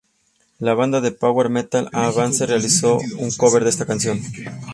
La banda de Power Metal At Vance realizó un cover de esta canción.